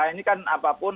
ini kan apapun